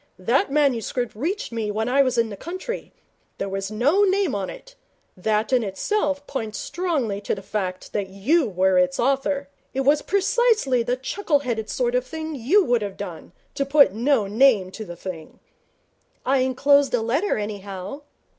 That manuscript reached me when I was in the country. There was no name on it. That in itself points strongly to the fact that you were its author. It was precisely the chuckle headed sort of thing you would have done, to put no name on the thing.' 'I enclosed a letter, anyhow.'